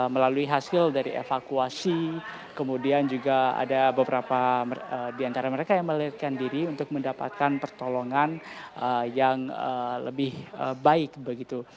melalui hasil dari evakuasi kemudian juga ada beberapa di antara mereka yang melihatkan diri untuk mendapatkan pertolongan yang lebih baik begitu